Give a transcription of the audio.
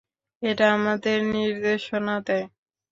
এটা আমাদের নির্দেশনা দেয়।